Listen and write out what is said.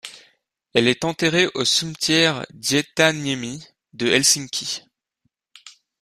Elle est enterrée au cimetière d'Hietaniemi de Helsinki.